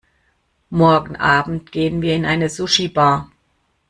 Morgenabend gehen wir in eine Sushibar.